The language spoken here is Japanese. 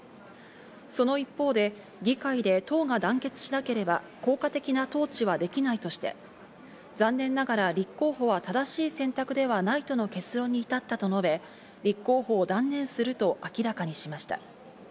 その一方で、議会で党が団結しなければ効果的な統治はできないとして、残念ながら立候補は正しい選択ではないとの結論に至ったと述べ、立候補を断念すると明らかにしました。